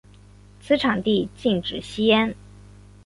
此场地禁止吸烟。